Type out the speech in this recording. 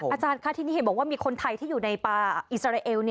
อาจารย์ค่ะทีนี้เห็นบอกว่ามีคนไทยที่อยู่ในป่าอิสราเอล